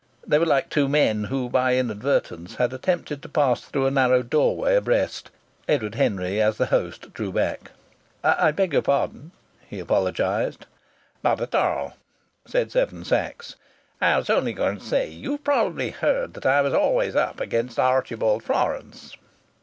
They were like two men who by inadvertence had attempted to pass through a narrow doorway abreast. Edward Henry, as the host, drew back. "I beg your pardon!" he apologized. "Not at all," said Seven Sachs. "I was only going to say you've probably heard that I was always up against Archibald Florance."